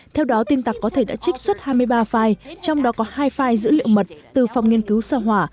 theo đó tin tặc có thể đã trích xuất hai mươi ba file trong đó có hai file dữ liệu mật từ phòng nghiên cứu sơ hỏa